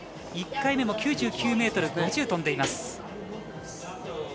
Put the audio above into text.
１回目も９９ｍ５０飛んでいます。